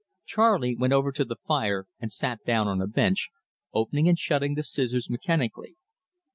Charley went over to the fire and sat down on a bench, opening and shutting the scissors mechanically.